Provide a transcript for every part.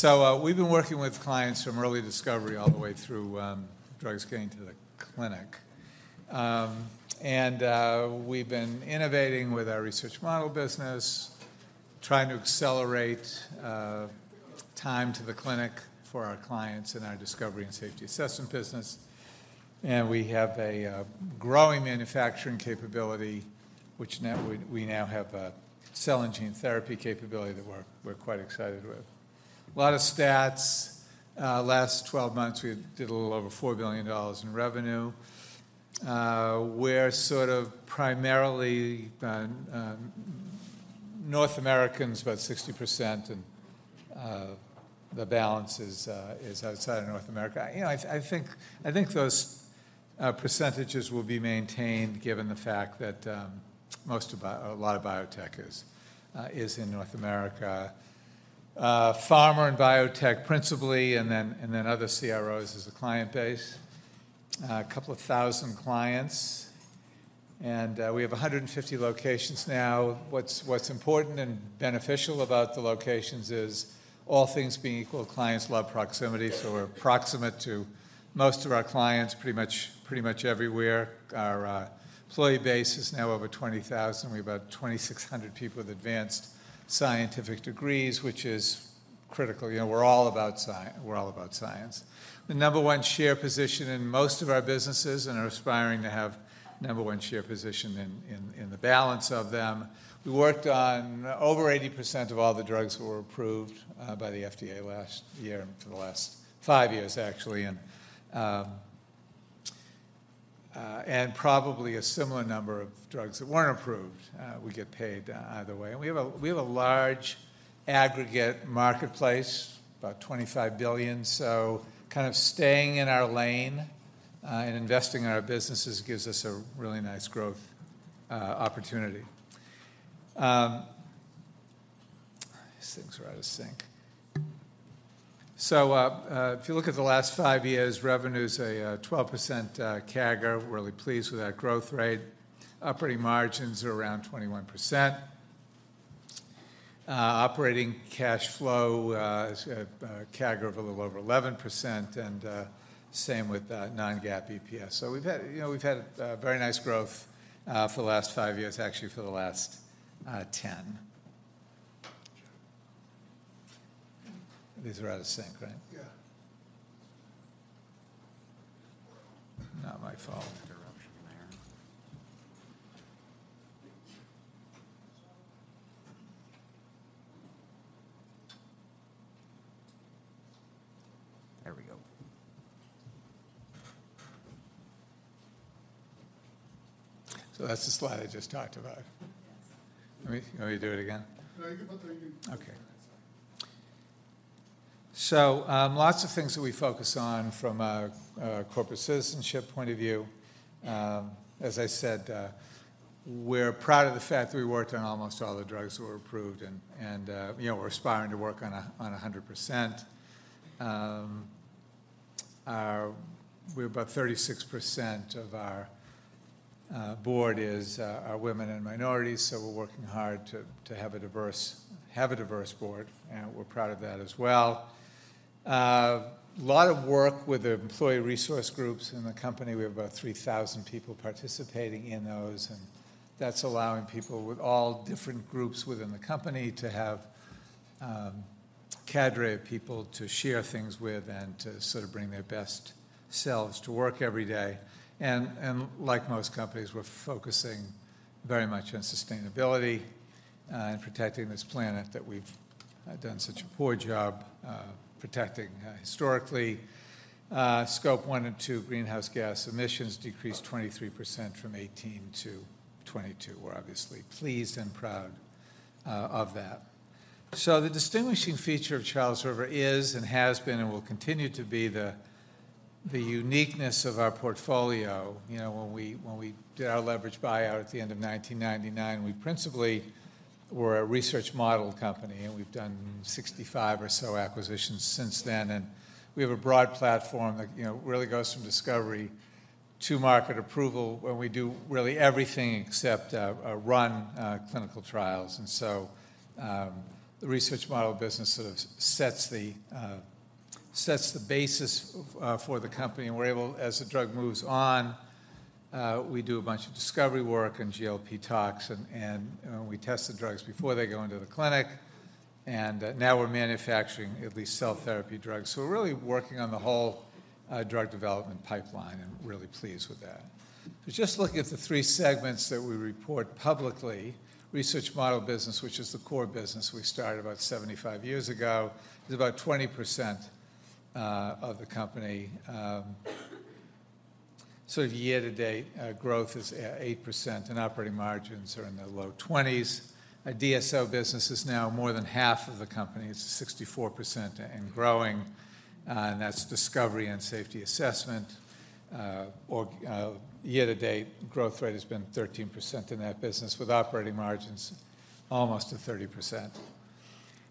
So, we've been working with clients from early discovery all the way through, drugs getting to the clinic. And we've been innovating with our research model business, trying to accelerate time to the clinic for our clients in our Discovery and Safety Assessment business. And we have a growing manufacturing capability, which now we now have a cell and gene therapy capability that we're quite excited with. A lot of stats, last 12 months, we did a little over $4 billion in revenue. We're sort of primarily North American, about 60%, and the balance is outside of North America. You know, I think, I think those percentages will be maintained, given the fact that most of a lot of biotech is in North America. Pharma and biotech principally, and then other CROs as the client base. A couple thousand clients, and we have 150 locations now. What's important and beneficial about the locations is, all things being equal, clients love proximity, so we're proximate to most of our clients, pretty much everywhere. Our employee base is now over 20,000. We have about 2,600 people with advanced scientific degrees, which is critical. You know, we're all about science. The number one share position in most of our businesses, and are aspiring to have number one share position in the balance of them. We worked on over 80% of all the drugs that were approved by the FDA last year, for the last 5 years, actually. Probably a similar number of drugs that weren't approved. We get paid either way. We have a, we have a large aggregate marketplace, about $25 billion. So kind of staying in our lane, and investing in our businesses gives us a really nice growth, opportunity. These things are out of sync. So, if you look at the last 5 years, revenue's a 12% CAGR. Really pleased with that growth rate. Operating margins are around 21%. Operating cash flow is at CAGR of a little over 11%, and same with non-GAAP EPS. So we've had, you know, we've had very nice growth, for the last 5 years, actually, for the last 10. These are out of sync, right? Yeah. Not my fault. Interruption there. There we go. So that's the slide I just talked about. Yes. Want me to do it again? No, you can... Okay. So, lots of things that we focus on from a corporate citizenship point of view. As I said, we're proud of the fact that we worked on almost all the drugs that were approved and, and, you know, we're aspiring to work on a hundred percent. Our... We have about 36% of our board is are women and minorities, so we're working hard to have a diverse board, and we're proud of that as well. A lot of work with the employee resource groups in the company. We have about 3,000 people participating in those, and that's allowing people with all different groups within the company to have, cadre of people to share things with and to sort of bring their best selves to work every day. And like most companies, we're focusing very much on sustainability, and protecting this planet that we've, done such a poor job, protecting, historically. Scope 1 and 2 greenhouse gas emissions decreased 23% from 2018 to 2022. We're obviously pleased and proud, of that. So the distinguishing feature of Charles River is and has been and will continue to be the, the uniqueness of our portfolio. You know, when we did our leveraged buyout at the end of 1999, we principally were a research model company, and we've done 65 or so acquisitions since then, and we have a broad platform that, you know, really goes from discovery to market approval, where we do really everything except run clinical trials. And so, the research model business sort of sets the basis for the company, and we're able... As the drug moves on, we do a bunch of discovery work and GLP tox, and we test the drugs before they go into the clinic, and now we're manufacturing at least cell therapy drugs. So we're really working on the whole drug development pipeline and really pleased with that. But just looking at the three segments that we report publicly, research model business, which is the core business we started about 75 years ago, is about 20% of the company. Sort of year-to-date growth is 8%, and operating margins are in the low 20s. Our DSA business is now more than half of the company. It's 64% and growing, and that's Discovery and Safety Assessment. Year-to-date growth rate has been 13% in that business, with operating margins almost at 30%.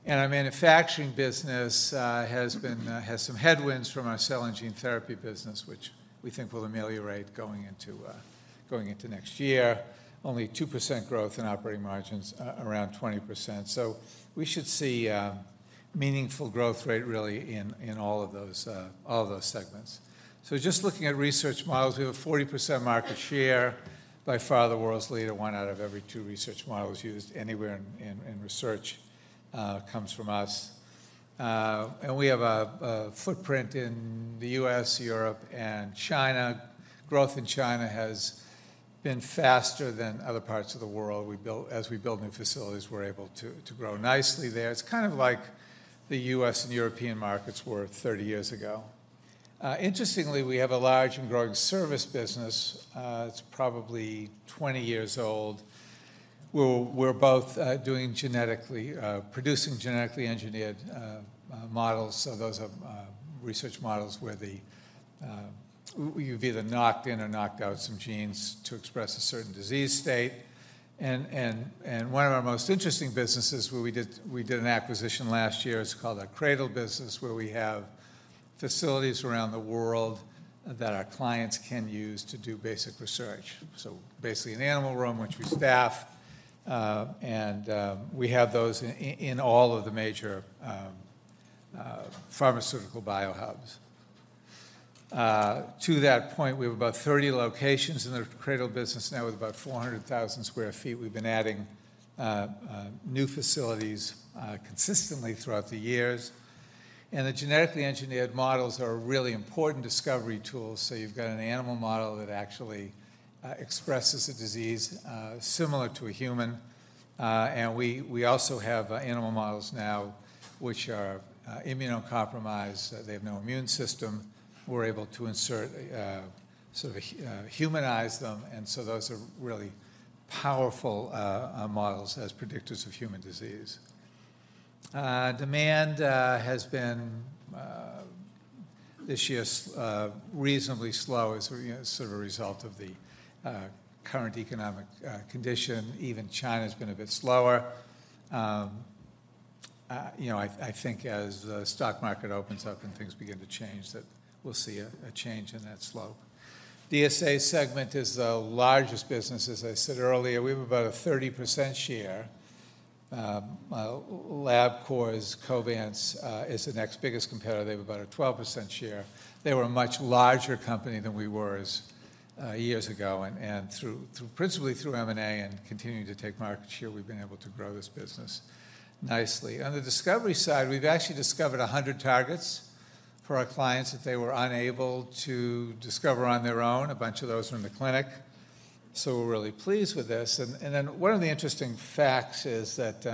And our manufacturing business has some headwinds from our cell and gene therapy business, which we think will ameliorate going into next year. Only 2% growth and operating margins around 20%. So we should see... Meaningful growth rate really in all of those segments. So just looking at research models, we have a 40% market share, by far the world's leader. One out of every two research models used anywhere in research comes from us. And we have a footprint in the U.S., Europe, and China. Growth in China has been faster than other parts of the world. As we build new facilities, we're able to grow nicely there. It's kind of like the U.S. and European markets were 30 years ago. Interestingly, we have a large and growing service business. It's probably 20 years old, where we're both doing genetically producing genetically engineered models. So those are research models where the. You've either knocked in or knocked out some genes to express a certain disease state. One of our most interesting businesses, where we did an acquisition last year, it's called our CRADL business, where we have facilities around the world that our clients can use to do basic research. So basically, an animal room, which we staff, and we have those in all of the major pharmaceutical bio hubs. To that point, we have about 30 locations in the CRADL business now with about 400,000 sq ft. We've been adding new facilities consistently throughout the years. And the genetically engineered models are a really important discovery tool. So you've got an animal model that actually expresses a disease similar to a human. We also have animal models now which are immunocompromised. They have no immune system. We're able to insert sort of humanize them, and so those are really powerful models as predictors of human disease. Demand has been this year reasonably slow as, you know, sort of a result of the current economic condition. Even China's been a bit slower. You know, I think as the stock market opens up and things begin to change, that we'll see a change in that slope. DSA segment is the largest business. As I said earlier, we have about a 30% share. Labcorp's Covance is the next biggest competitor. They have about a 12% share. They were a much larger company than we were as years ago, and through principally through M&A and continuing to take market share, we've been able to grow this business nicely. On the discovery side, we've actually discovered 100 targets for our clients that they were unable to discover on their own, a bunch of those from the clinic, so we're really pleased with this. Then one of the interesting facts is that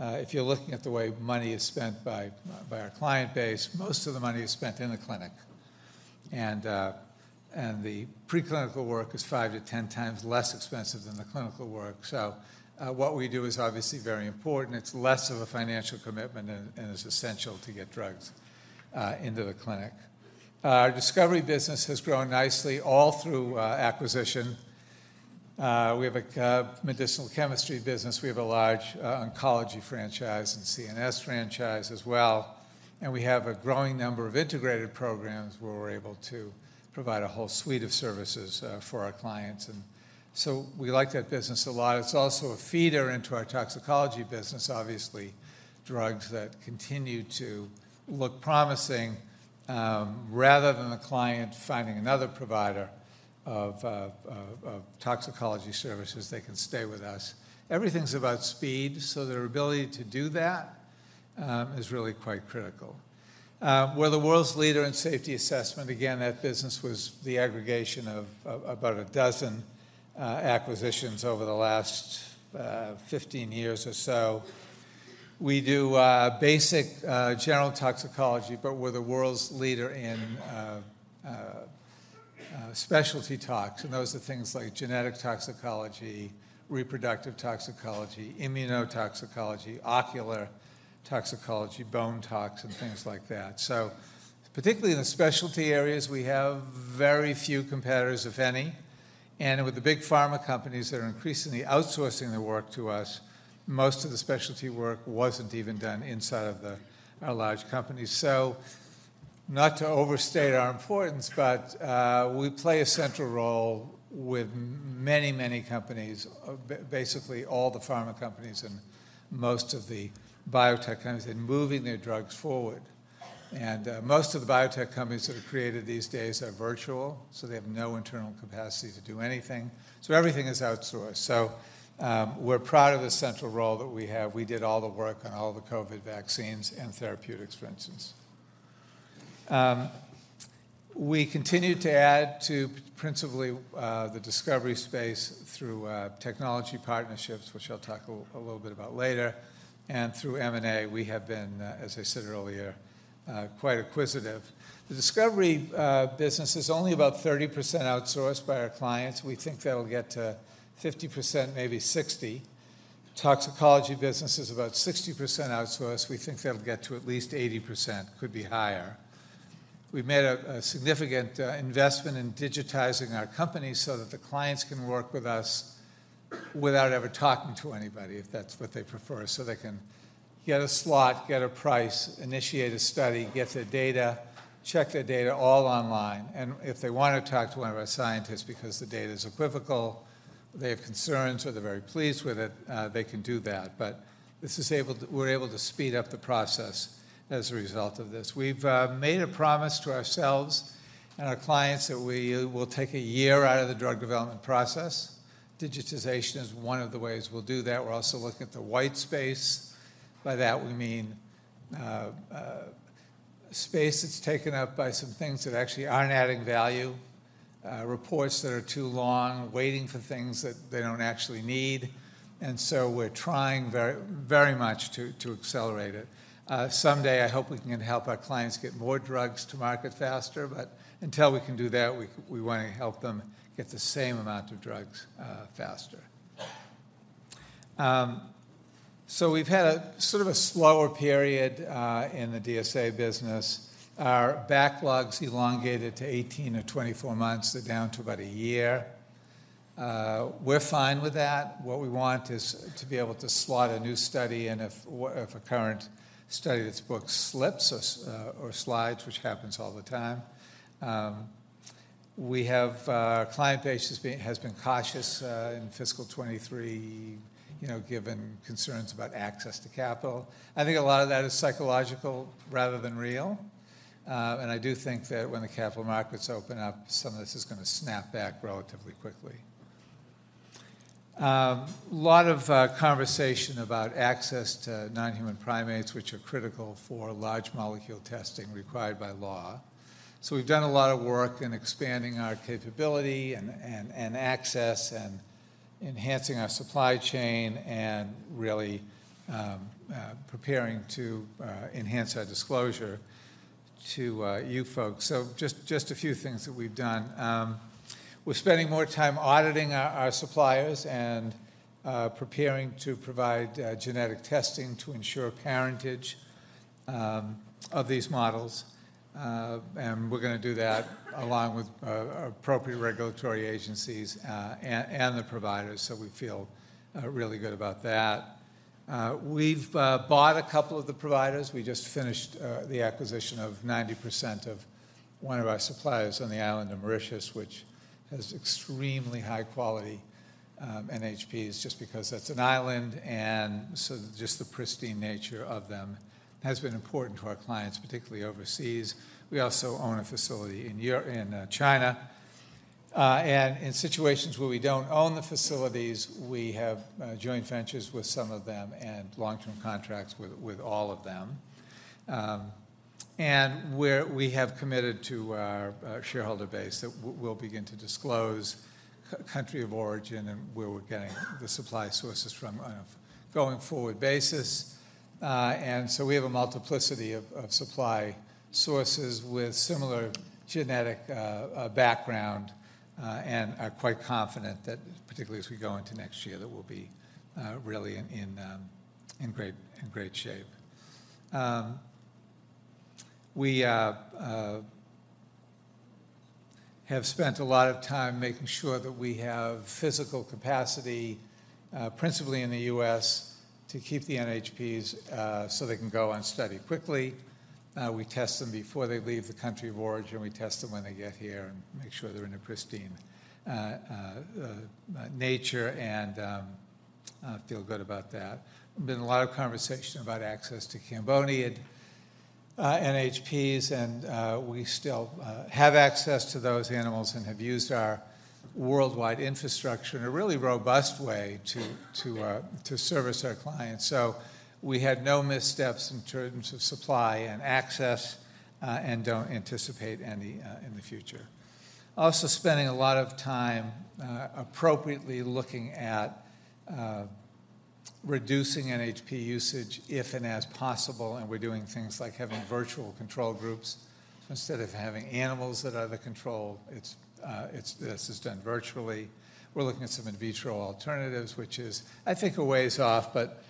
if you're looking at the way money is spent by our client base, most of the money is spent in the clinic. The preclinical work is 5-10 times less expensive than the clinical work. So what we do is obviously very important. It's less of a financial commitment and is essential to get drugs into the clinic. Our discovery business has grown nicely all through acquisition. We have a medicinal chemistry business. We have a large oncology franchise and CNS franchise as well, and we have a growing number of integrated programs, where we're able to provide a whole suite of services for our clients. And so we like that business a lot. It's also a feeder into our toxicology business. Obviously, drugs that continue to look promising, rather than the client finding another provider of toxicology services, they can stay with us. Everything's about speed, so their ability to do that is really quite critical. We're the world's leader in safety assessment. Again, that business was the aggregation of about a dozen acquisitions over the last 15 years or so. We do basic general toxicology, but we're the world's leader in specialty tox, and those are things like genetic toxicology, reproductive toxicology, immunotoxicology, ocular toxicology, bone tox, and things like that. So particularly in the specialty areas, we have very few competitors, if any. And with the big pharma companies that are increasingly outsourcing their work to us, most of the specialty work wasn't even done inside of our large companies. So not to overstate our importance, but we play a central role with many, many companies, basically, all the pharma companies and most of the biotech companies in moving their drugs forward. And most of the biotech companies that are created these days are virtual, so they have no internal capacity to do anything, so everything is outsourced. So we're proud of the central role that we have. We did all the work on all the COVID vaccines and therapeutics, for instance. We continued to add to principally the discovery space through technology partnerships, which I'll talk a little bit about later. And through M&A, we have been, as I said earlier, quite acquisitive. The discovery business is only about 30% outsourced by our clients. We think that'll get to 50%, maybe 60. Toxicology business is about 60% outsourced. We think that'll get to at least 80%, could be higher. We've made a significant investment in digitizing our company so that the clients can work with us without ever talking to anybody, if that's what they prefer. So they can get a slot, get a price, initiate a study, get the data.... check their data all online, and if they want to talk to one of our scientists because the data is equivocal, they have concerns, or they're very pleased with it, they can do that. But this is able. We're able to speed up the process as a result of this. We've made a promise to ourselves and our clients that we will take a year out of the drug development process. Digitization is one of the ways we'll do that. We're also looking at the white space. By that we mean space that's taken up by some things that actually aren't adding value, reports that are too long, waiting for things that they don't actually need, and so we're trying very, very much to accelerate it. Someday, I hope we can help our clients get more drugs to market faster, but until we can do that, we want to help them get the same amount of drugs faster. So we've had a sort of a slower period in the DSA business. Our backlogs elongated to 18 or 24 months. They're down to about a year. We're fine with that. What we want is to be able to slot a new study, and if a current study, its book slips or slides, which happens all the time. Our client base has been cautious in fiscal 2023, you know, given concerns about access to capital. I think a lot of that is psychological rather than real, and I do think that when the capital markets open up, some of this is gonna snap back relatively quickly. A lot of conversation about access to non-human primates, which are critical for large molecule testing required by law. So we've done a lot of work in expanding our capability and access and enhancing our supply chain and really preparing to enhance our disclosure to you folks. So just a few things that we've done. We're spending more time auditing our suppliers and preparing to provide genetic testing to ensure parentage of these models, and we're gonna do that along with appropriate regulatory agencies and the providers, so we feel really good about that. We've bought a couple of the providers. We just finished the acquisition of 90% of one of our suppliers on the island of Mauritius, which has extremely high-quality NHPs, just because that's an island, and so just the pristine nature of them has been important to our clients, particularly overseas. We also own a facility in China, and in situations where we don't own the facilities, we have joint ventures with some of them, and long-term contracts with all of them. We have committed to our shareholder base that we'll begin to disclose country of origin and where we're getting the supply sources from on a going-forward basis. So we have a multiplicity of supply sources with similar genetic background, and are quite confident that particularly as we go into next year, that we'll be really in great shape. We have spent a lot of time making sure that we have physical capacity, principally in the U.S., to keep the NHPs so they can go and study quickly. We test them before they leave the country of origin, we test them when they get here and make sure they're in a pristine nature, and I feel good about that. There's been a lot of conversation about access to Cambodian NHPs, and we still have access to those animals and have used our worldwide infrastructure in a really robust way to service our clients. So we had no missteps in terms of supply and access, and don't anticipate any in the future. Also spending a lot of time appropriately looking at reducing NHP usage if and as possible, and we're doing things like having virtual control groups. Instead of having animals that are the control, it's this is done virtually. We're looking at some in vitro alternatives, which is, I think, a ways off, but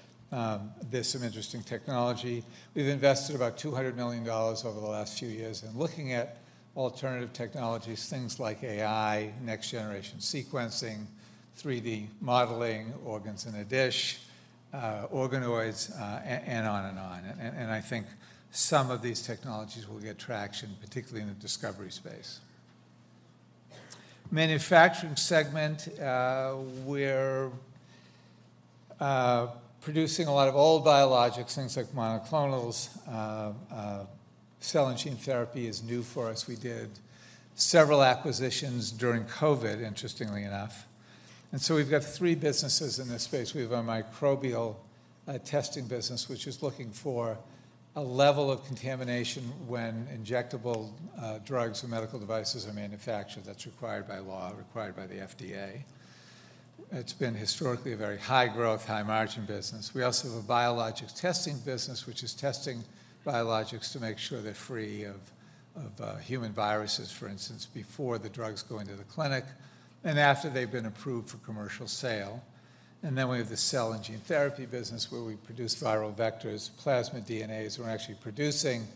there's some interesting technology. We've invested about $200 million over the last few years in looking at alternative technologies, things like AI, next-generation sequencing, 3D modeling, organs in a dish, organoids, and on and on, and I think some of these technologies will get traction, particularly in the discovery space. Manufacturing segment, we're producing a lot of old biologics, things like monoclonals. Cell and gene therapy is new for us. We did several acquisitions during COVID, interestingly enough, and so we've got three businesses in this space. We have a microbial testing business, which is looking for a level of contamination when injectable drugs and medical devices are manufactured. That's required by law, required by the FDA. It's been historically a very high-growth, high-margin business. We also have a biologics testing business, which is testing biologics to make sure they're free of human viruses, for instance, before the drugs go into the clinic and after they've been approved for commercial sale. And then we have the cell and gene therapy business, where we produce viral vectors, plasmid DNAs. We're actually producing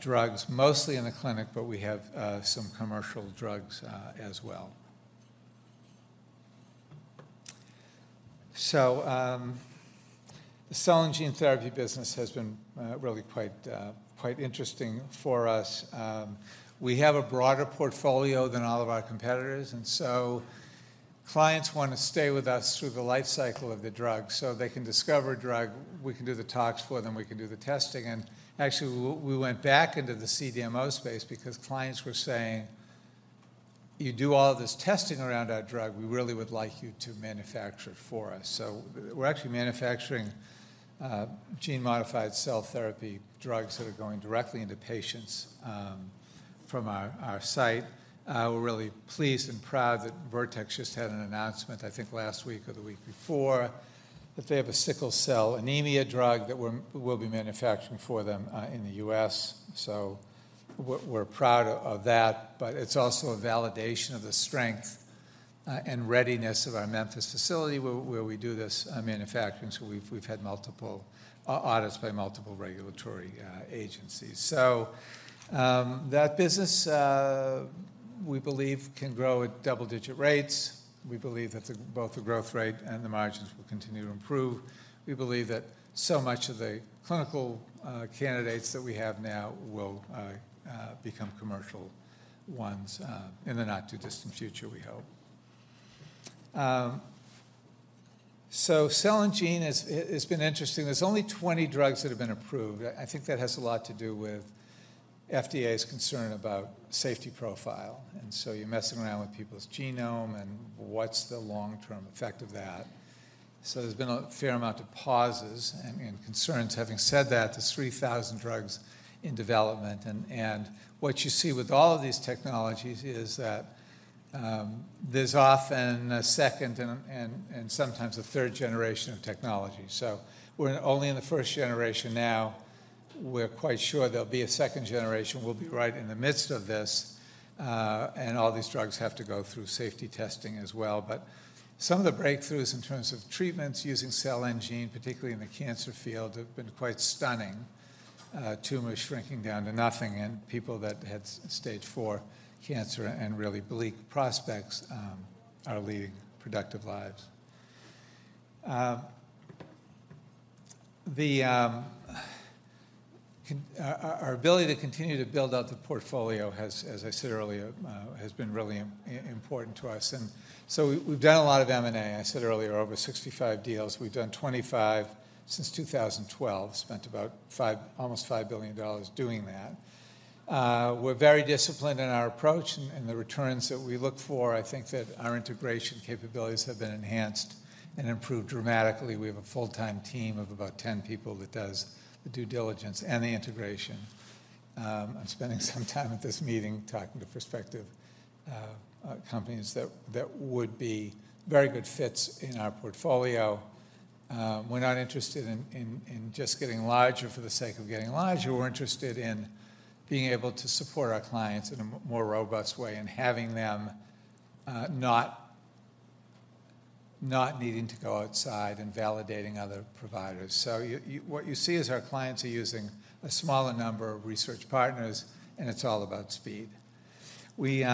drugs, mostly in the clinic, but we have some commercial drugs as well. So, the cell and gene therapy business has been really quite interesting for us. We have a broader portfolio than all of our competitors, and so clients want to stay with us through the life cycle of the drug. So they can discover a drug, we can do the tox for them, we can do the testing. Actually, we went back into the CDMO space because clients were saying, "You do all this testing around our drug, we really would like you to manufacture it for us." So we're actually manufacturing gene-modified cell therapy drugs that are going directly into patients from our site. We're really pleased and proud that Vertex just had an announcement, I think last week or the week before, that they have a sickle cell anemia drug that we'll be manufacturing for them in the U.S. So we're proud of that, but it's also a validation of the strength and readiness of our Memphis facility, where we do this manufacturing. So we've had multiple audits by multiple regulatory agencies. That business, we believe, can grow at double-digit rates. We believe that both the growth rate and the margins will continue to improve. We believe that so much of the clinical candidates that we have now will become commercial ones in the not-too-distant future, we hope. So cell and gene has been interesting. There's only 20 drugs that have been approved. I think that has a lot to do with FDA's concern about safety profile, and so you're messing around with people's genome, and what's the long-term effect of that? So there's been a fair amount of pauses and concerns. Having said that, there's 3,000 drugs in development, and what you see with all of these technologies is that there's often a second and sometimes a third generation of technology. So we're only in the first generation now. We're quite sure there'll be a second generation. We'll be right in the midst of this, and all these drugs have to go through safety testing as well. But some of the breakthroughs in terms of treatments using cell and gene, particularly in the cancer field, have been quite stunning. Tumors shrinking down to nothing, and people that had stage four cancer and really bleak prospects, are leading productive lives. Our ability to continue to build out the portfolio has, as I said earlier, has been really important to us, and so we, we've done a lot of M&A. I said earlier, over 65 deals. We've done 25 since 2012, spent almost $5 billion doing that. We're very disciplined in our approach and the returns that we look for. I think that our integration capabilities have been enhanced and improved dramatically. We have a full-time team of about 10 people that does the due diligence and the integration. I'm spending some time at this meeting talking to prospective companies that would be very good fits in our portfolio. We're not interested in just getting larger for the sake of getting larger. We're interested in being able to support our clients in a more robust way and having them not needing to go outside and validating other providers. So what you see is our clients are using a smaller number of research partners, and it's all about speed. We,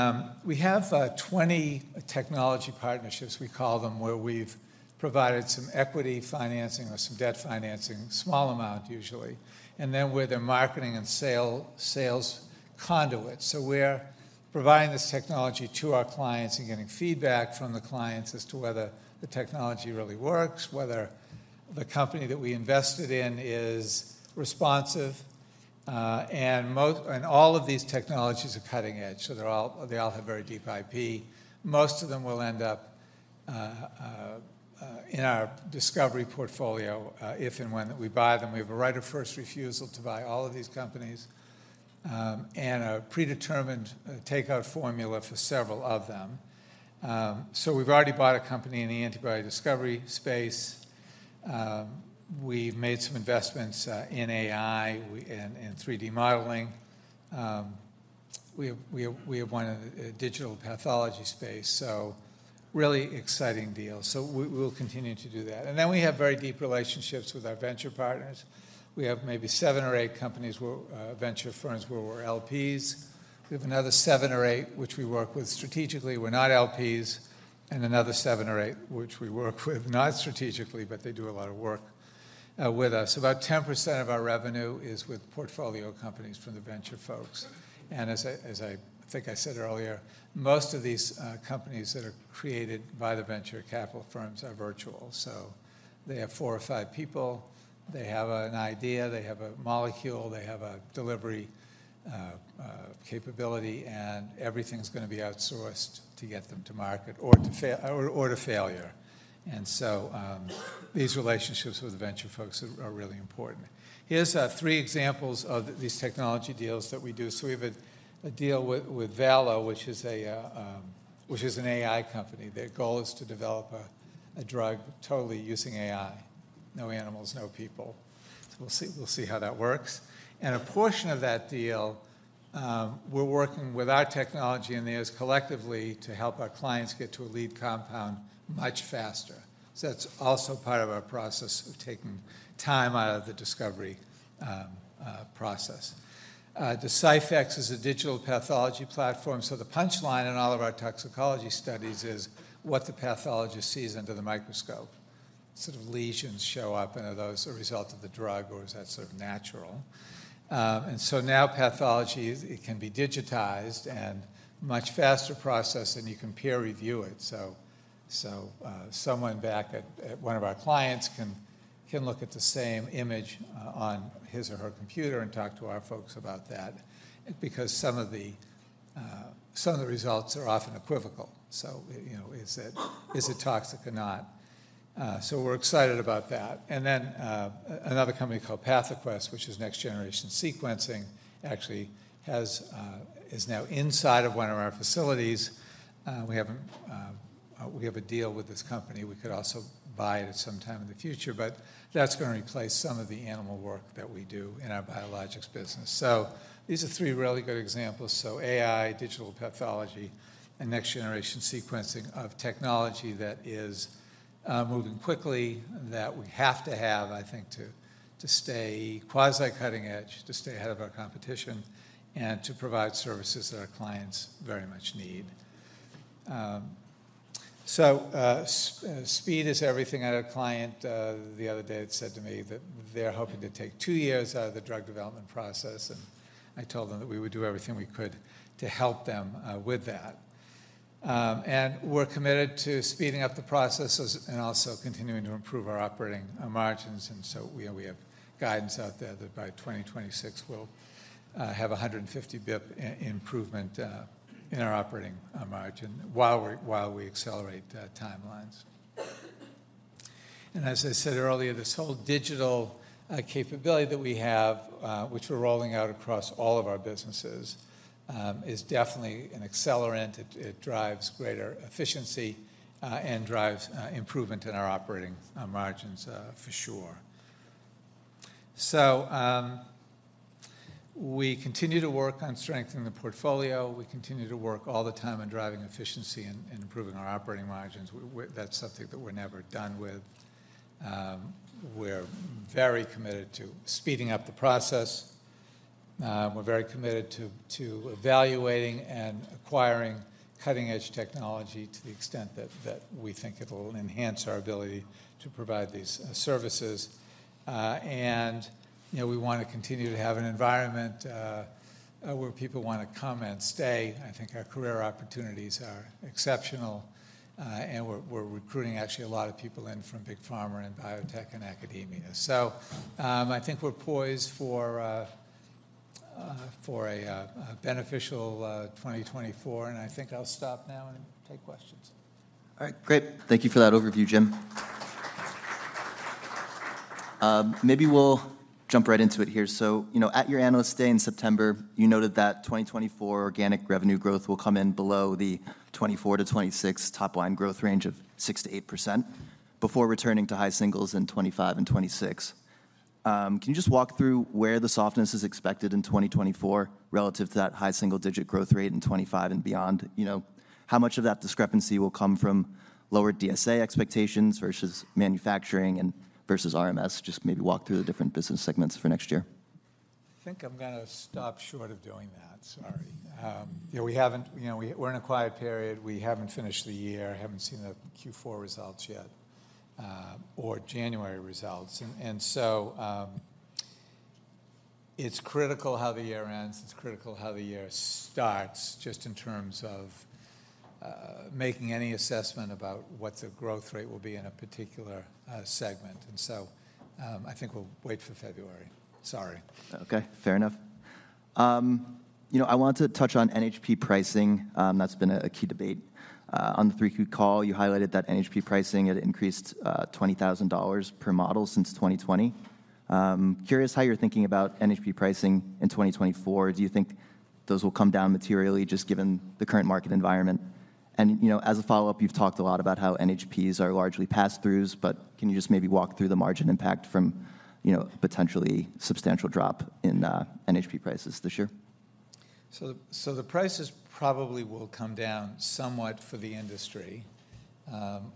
we have 20 technology partnerships, we call them, where we've provided some equity financing or some debt financing, small amount usually, and then we're their marketing and sales conduit. So we're providing this technology to our clients and getting feedback from the clients as to whether the technology really works, whether the company that we invested in is responsive, and most and all of these technologies are cutting-edge, so they all have very deep IP. Most of them will end up in our discovery portfolio if and when we buy them. We have a right of first refusal to buy all of these companies, and a predetermined takeout formula for several of them. So we've already bought a company in the antibody discovery space. We've made some investments in AI, in 3D modeling. We have one in the digital pathology space, so really exciting deals. So we'll continue to do that. And then we have very deep relationships with our venture partners. We have maybe seven or eight companies where venture firms where we're LPs. We have another seven or eight which we work with strategically, we're not LPs, and another seven or eight which we work with not strategically, but they do a lot of work with us. About 10% of our revenue is with portfolio companies from the venture folks. As I think I said earlier, most of these companies that are created by the venture capital firms are virtual. So they have four or five people. They have an idea, they have a molecule, they have a delivery capability, and everything's gonna be outsourced to get them to market or to fail or to failure. And so, these relationships with the venture folks are really important. Here's three examples of these technology deals that we do. So we have a deal with Valo, which is an AI company. Their goal is to develop a drug totally using AI. No animals, no people. So we'll see, we'll see how that works. And a portion of that deal, we're working with our technology, and theirs collectively to help our clients get to a lead compound much faster. So that's also part of our process of taking time out of the discovery process. Deciphex is a digital pathology platform. So the punchline in all of our toxicology studies is what the pathologist sees under the microscope. Sort of lesions show up, and are those a result of the drug, or is that sort of natural? And so now pathology, it can be digitized and much faster process, and you can peer review it. Someone back at one of our clients can look at the same image on his or her computer and talk to our folks about that. Because some of the results are often equivocal. So, you know, is it, is it toxic or not? So we're excited about that. And then another company called PathoQuest, which is next-generation sequencing, actually has is now inside of one of our facilities. We have a deal with this company. We could also buy it at some time in the future, but that's going to replace some of the animal work that we do in our biologics business. So these are three really good examples. So AI, digital pathology, and next-generation sequencing of technology that is moving quickly, that we have to have, I think, to stay quasi-cutting edge, to stay ahead of our competition, and to provide services that our clients very much need. So, speed is everything. I had a client the other day that said to me that they're hoping to take 2 years out of the drug development process, and I told them that we would do everything we could to help them with that. And we're committed to speeding up the processes and also continuing to improve our operating margins. So we have guidance out there that by 2026, we'll have a 150 basis point improvement in our operating margin while we accelerate timelines. And as I said earlier, this whole digital capability that we have, which we're rolling out across all of our businesses, is definitely an accelerant. It drives greater efficiency and drives improvement in our operating margins, for sure. So we continue to work on strengthening the portfolio. We continue to work all the time on driving efficiency and improving our operating margins. We're... That's something that we're never done with. We're very committed to speeding up the process. We're very committed to evaluating and acquiring cutting-edge technology to the extent that we think it'll enhance our ability to provide these services. And, you know, we want to continue to have an environment where people want to come and stay. I think our career opportunities are exceptional, and we're recruiting actually a lot of people in from big pharma and biotech and academia. So, I think we're poised for a beneficial 2024, and I think I'll stop now and take questions. All right, great. Thank you for that overview, Jim. Maybe we'll jump right into it here. So, you know, at your Analyst Day in September, you noted that 2024 organic revenue growth will come in below the 2024-2026 top-line growth range of 6%-8% before returning to high singles in 2025 and 2026. Can you just walk through where the softness is expected in 2024 relative to that high single-digit growth rate in 2025 and beyond? You know, how much of that discrepancy will come from lower DSA expectations versus manufacturing and versus RMS? Just maybe walk through the different business segments for next year. I think I'm going to stop short of doing that. Sorry. You know, we haven't, you know, we're in a quiet period. We haven't finished the year, haven't seen the Q4 results yet, or January results. And so, it's critical how the year ends. It's critical how the year starts, just in terms of making any assessment about what the growth rate will be in a particular segment. And so, I think we'll wait for February. Sorry. Okay, fair enough. You know, I wanted to touch on NHP pricing. That's been a key debate. On the 3Q call, you highlighted that NHP pricing had increased $20,000 per model since 2020. Curious how you're thinking about NHP pricing in 2024. Do you think those will come down materially, just given the current market environment? And, you know, as a follow-up, you've talked a lot about how NHPs are largely pass-throughs, but can you just maybe walk through the margin impact from, you know, a potentially substantial drop in NHP prices this year? So the prices probably will come down somewhat for the industry.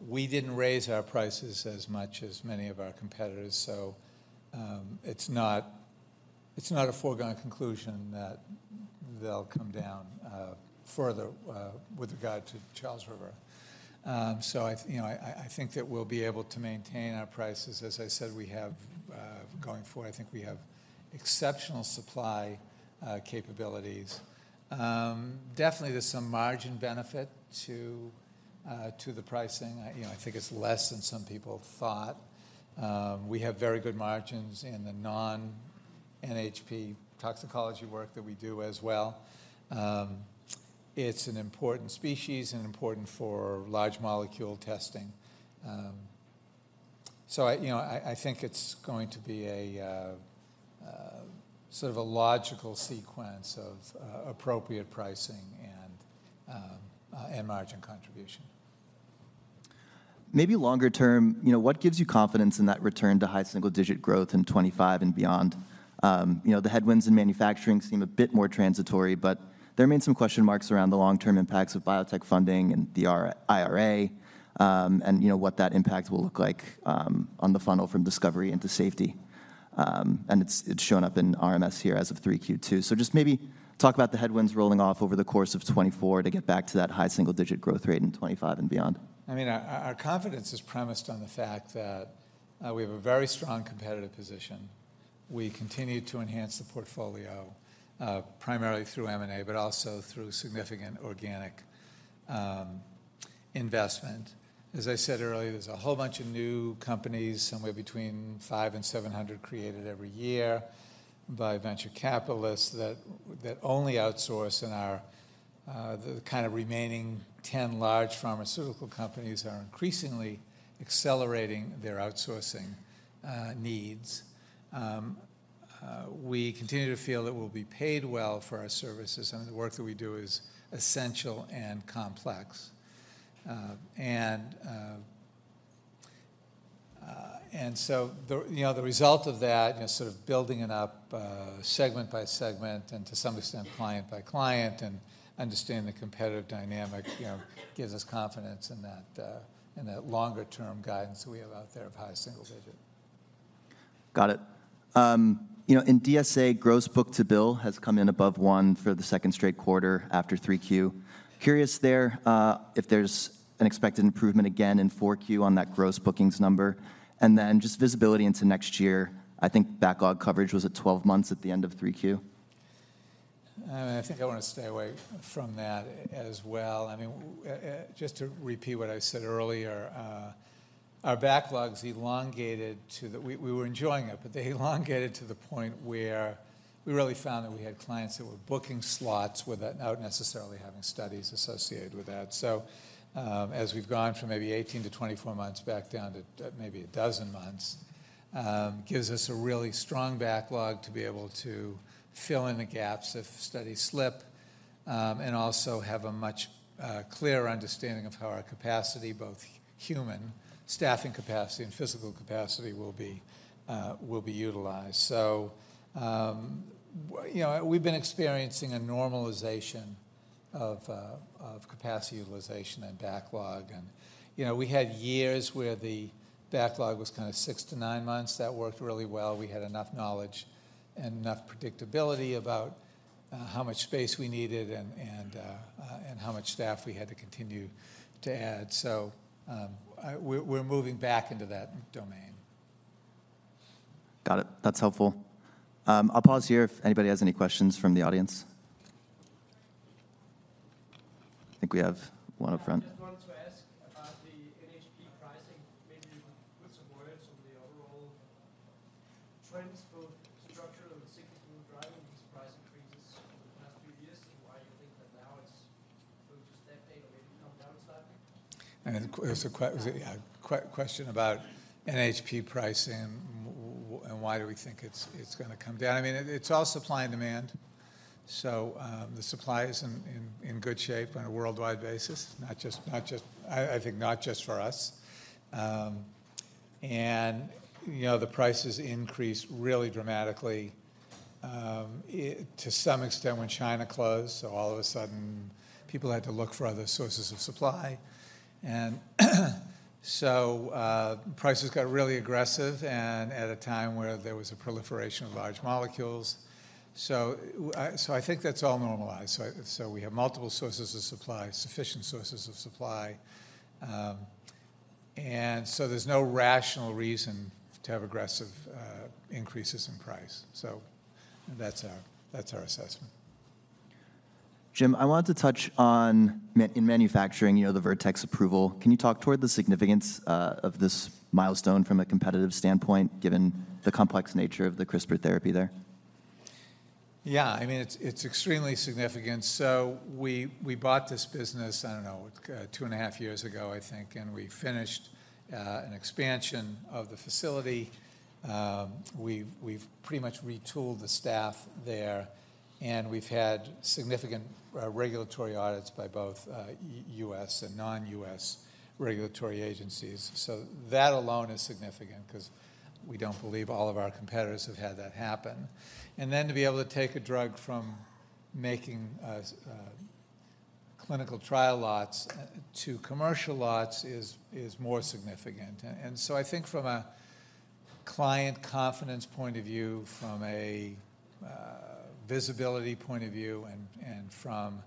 We didn't raise our prices as much as many of our competitors, so it's not a foregone conclusion that they'll come down further with regard to Charles River. So, you know, I think that we'll be able to maintain our prices. As I said, we have going forward, I think we have exceptional supply capabilities. Definitely, there's some margin benefit to the pricing. You know, I think it's less than some people thought. We have very good margins in the non-NHP toxicology work that we do as well. It's an important species and important for large molecule testing. So, you know, I think it's going to be a sort of a logical sequence of appropriate pricing and margin contribution. Maybe longer term, you know, what gives you confidence in that return to high single-digit growth in 2025 and beyond? You know, the headwinds in manufacturing seem a bit more transitory, but there remain some question marks around the long-term impacts of biotech funding and the IRA, and, you know, what that impact will look like, on the funnel from discovery into safety. And it's shown up in RMS here as of 3Q2. So just maybe talk about the headwinds rolling off over the course of 2024 to get back to that high single-digit growth rate in 2025 and beyond. I mean, our confidence is premised on the fact that we have a very strong competitive position. We continue to enhance the portfolio, primarily through M&A, but also through significant organic investment. As I said earlier, there's a whole bunch of new companies, somewhere between 500 and 700, created every year by venture capitalists that only outsource, and our the kind of remaining 10 large pharmaceutical companies are increasingly accelerating their outsourcing needs. We continue to feel that we'll be paid well for our services, and the work that we do is essential and complex. And so the, you know, the result of that, you know, sort of building it up, segment by segment, and to some extent, client by client, and understanding the competitive dynamic, you know, gives us confidence in that, in that longer-term guidance that we have out there of high single digit. Got it. You know, in DSA, gross book-to-bill has come in above one for the second straight quarter after 3Q. Curious there, if there's an expected improvement again in 4Q on that gross bookings number, and then just visibility into next year. I think backlog coverage was at twelve months at the end of 3Q. I think I want to stay away from that as well. I mean, just to repeat what I said earlier, our backlogs elongated to the... We were enjoying it, but they elongated to the point where we really found that we had clients that were booking slots without necessarily having studies associated with that. So, as we've gone from maybe 18-24 months back down to maybe 12 months, gives us a really strong backlog to be able to fill in the gaps if studies slip, and also have a much clearer understanding of how our capacity, both human staffing capacity and physical capacity, will be utilized. So, you know, we've been experiencing a normalization of capacity utilization and backlog and, you know, we had years where the backlog was kind of 6-9 months. That worked really well. We had enough knowledge and enough predictability about how much space we needed and how much staff we had to continue to add. So, we're moving back into that domain. Got it. That's helpful. I'll pause here if anybody has any questions from the audience. I think we have one up front. I just wanted to ask about the NHP pricing. Maybe you could put some words on the overall trends for structural and signals that were driving these price increases over the past few years, and why you think that now it's going to stagnate or maybe come down slightly? It's a question about NHP pricing and why do we think it's gonna come down. I mean, it's all supply and demand. So, the supply is in good shape on a worldwide basis, not just for us. I think not just for us. And, you know, the prices increased really dramatically, to some extent, when China closed, so all of a sudden, people had to look for other sources of supply. So, prices got really aggressive and at a time where there was a proliferation of large molecules. So, I think that's all normalized. So, we have multiple sources of supply, sufficient sources of supply, and so there's no rational reason to have aggressive increases in price. So that's our assessment. Jim, I wanted to touch on manufacturing, you know, the Vertex approval. Can you talk toward the significance of this milestone from a competitive standpoint, given the complex nature of the CRISPR therapy there? Yeah, I mean, it's extremely significant. So we bought this business, I don't know, 2.5 years ago, I think, and we finished an expansion of the facility. We've pretty much retooled the staff there, and we've had significant regulatory audits by both U.S. and non-U.S. regulatory agencies. So that alone is significant because we don't believe all of our competitors have had that happen. And then to be able to take a drug from making clinical trial lots to commercial lots is more significant. And so I think from a client confidence point of view, from a visibility point of view, and from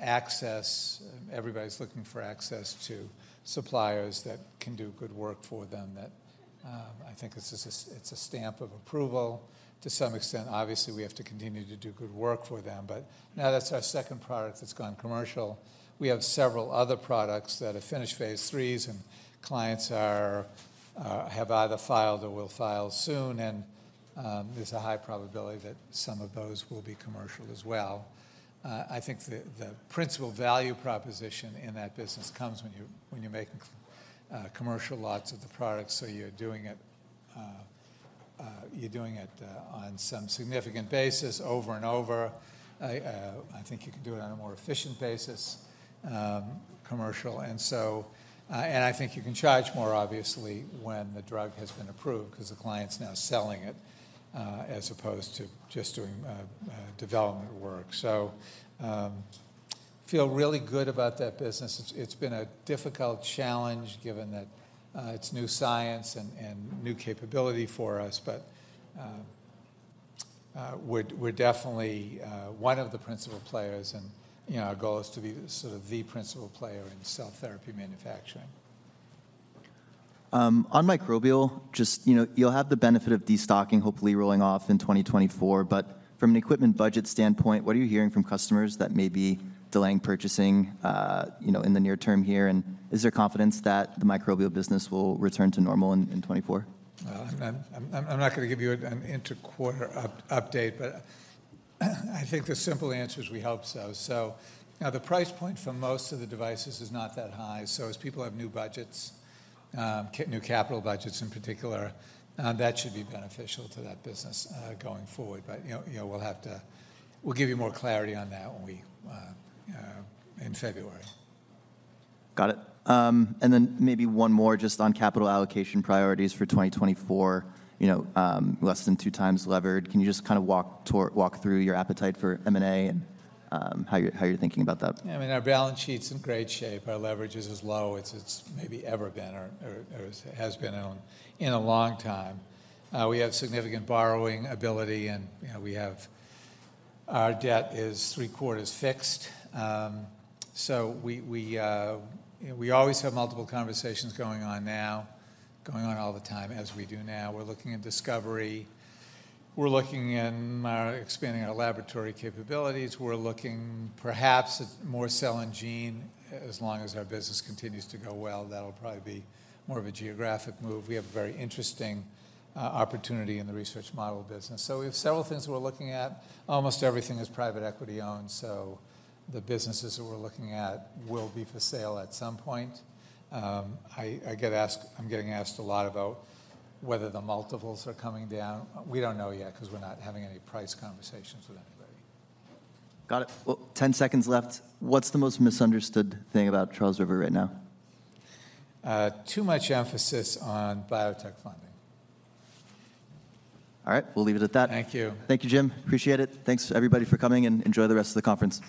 access, everybody's looking for access to suppliers that can do good work for them. I think it's just a stamp of approval to some extent. Obviously, we have to continue to do good work for them, but now that's our second product that's gone commercial. We have several other products that have finished phase IIIs, and clients have either filed or will file soon, and there's a high probability that some of those will be commercial as well. I think the principal value proposition in that business comes when you're making commercial lots of the product, so you're doing it on some significant basis over and over. I think you can do it on a more efficient basis commercial. So, I think you can charge more, obviously, when the drug has been approved, 'cause the client's now selling it as opposed to just doing development work. So, feel really good about that business. It's been a difficult challenge, given that it's new science and new capability for us. But, we're definitely one of the principal players, and you know, our goal is to be sort of the principal player in cell therapy manufacturing. On microbial, just, you know, you'll have the benefit of destocking hopefully rolling off in 2024. But from an equipment budget standpoint, what are you hearing from customers that may be delaying purchasing, you know, in the near term here? And is there confidence that the microbial business will return to normal in 2024? Well, I'm not going to give you an inter-quarter update, but I think the simple answer is we hope so. So now the price point for most of the devices is not that high. So as people have new budgets, new capital budgets in particular, that should be beneficial to that business going forward. But, you know, we'll have to. We'll give you more clarity on that when we in February. Got it. And then maybe one more just on capital allocation priorities for 2024. You know, less than 2 times levered. Can you just kind of walk through your appetite for M&A and how you're thinking about that? I mean, our balance sheet's in great shape. Our leverage is as low as it's maybe ever been or has been in a long time. We have significant borrowing ability, and, you know, we have... Our debt is three-quarters fixed. So we always have multiple conversations going on now, going on all the time, as we do now. We're looking at discovery. We're looking in expanding our laboratory capabilities. We're looking perhaps at more cell and gene. As long as our business continues to go well, that'll probably be more of a geographic move. We have a very interesting opportunity in the research model business. So we have several things we're looking at. Almost everything is private equity-owned, so the businesses that we're looking at will be for sale at some point. I get asked, I'm getting asked a lot about whether the multiples are coming down. We don't know yet, 'cause we're not having any price conversations with anybody. Got it. Well, 10 seconds left. What's the most misunderstood thing about Charles River right now? Too much emphasis on biotech funding. All right, we'll leave it at that. Thank you. Thank you, Jim. Appreciate it. Thanks to everybody for coming, and enjoy the rest of the conference.